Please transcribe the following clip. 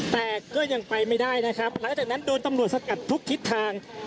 แต่ก็ยังไปไม่ได้นะครับหลังจากนั้นโดนตำรวจสกัดทุกทิศทาง